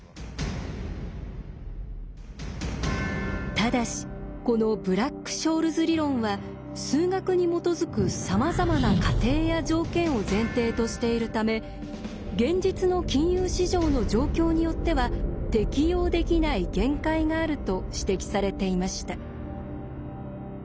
ただしこのブラック・ショールズ理論は数学に基づくさまざまな仮定や条件を前提としているため現実の金融市場の状況によっては適用できない限界があると指摘されていました。